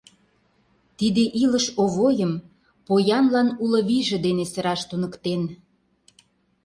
Тиде илыш Овойым поянлан уло вийже дене сыраш туныктен...